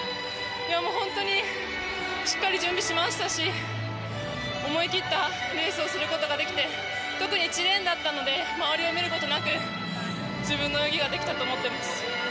本当にしっかり準備しましたし思い切ったレースをすることができて特に１レーンだったので周りを見ることなく自分の泳ぎができたと思っています。